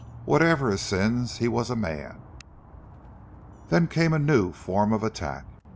Whatever his sins, he was a man! Then came a new form of attack.